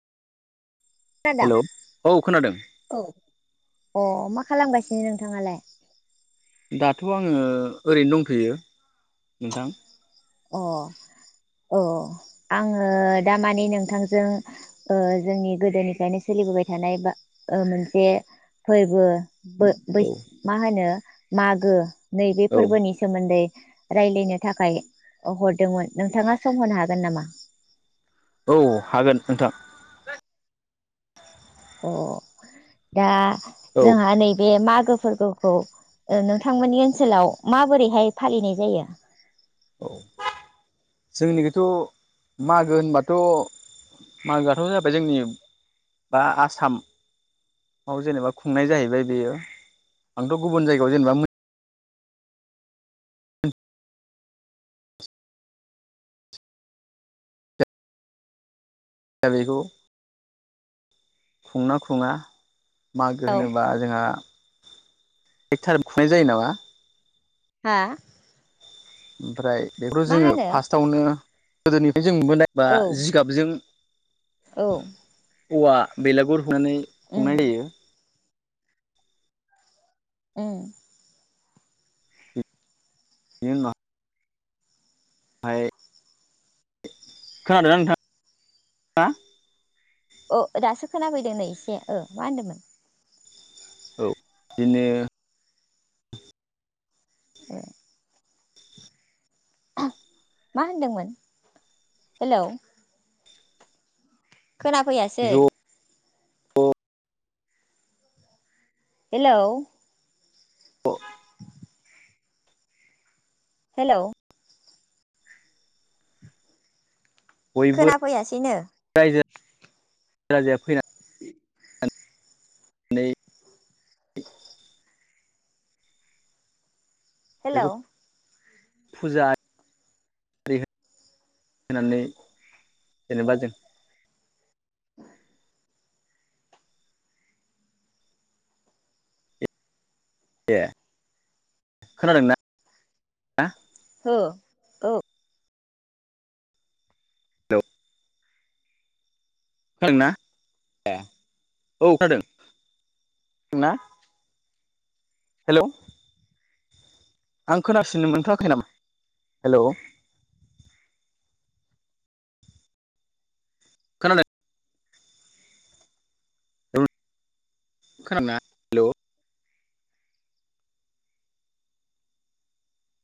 हेल'औ खोनादों खोनादों अ मा खालामगासिनो नोंथाङालाय दाथ' आङो ओरैनो दंथ'यो नोंथां अ अ' आङो दा माने नोंथांजों जोंनि गोदोनिफ्रायनो सोलि सोलिबोबाय थानाय बा मोनसे फोरबो बो बै औ मा होनो मागो नैबे औ फोरबोनि सोमोन्दै रायज्लायनो थाखाय हरदोंमोन नोंथाङा सम होनो हागोन नामा औ हागोन नोंथां अ दा औ जोंहा नैबे मा [unintelligible] फोरबोखौ नोंथांमोननि ओनसोलाव माबोरैहाय फालिनाय जायो औ जोंनिखौथ' मागो होनबाथ' मागोआथ' जाबाय जोंनि बा आसाम बे जेनेबा खुंनाय जाहैबाय बेयो आंथ' गुबुन जायगायाव जेनेबा दा बेखौ खुंना खुङा मागो औ होनोबा जोंहा एक थारिगनिफ्राय खुंनाय जायो नामा हा ओमफ्राय बेखौ मा जोङो होनो फार्स्टआवनो गोदोनिफ्राय जों नाबोनाय बा औ जों जिगाबजों औ औवा बेलागुर हुंनानै उम खुंनाय जायो ओम। दे होनबा। ओमफ्राय खोनादोंना नोंथांआ? अ दासो खोनाफैदों नै एसे मा होनदोंमोन? औ बिदिनो ए मा होनदोंमोन हेलौ। खोनाफैयासै। ज' हेल' द हेल' बयबो खोनाफैयासैनो। रायजो राजाया फैनानै [inaudible] बेखौ हेल' फुजा होनानै जेनेबा जों ए खोनादोंना? हो औ। [inaudible] खोनादोंना ए औ खोनादों खोनादोंना? हेलौ आं खोनासिननो मोनथ'वाखै नामा? हेलौ खोनादों [inaudible]